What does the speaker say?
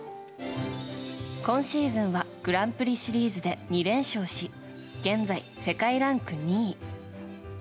今シーズンはグランプリシリーズで２連勝し現在、世界ランク２位。